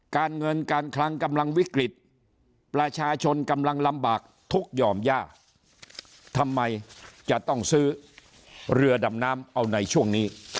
การเงินการคลังกำลังวิกฤตประชาชนกำลังลำบากทุกข์หย่อมยากทำไมจะต้องซื้อเรือดำน้ำเอาในช่วงนี้